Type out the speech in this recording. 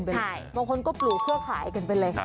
บางคนก็ปลูกเพื่อขายกันไปเลย